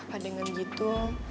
apa dengan gitu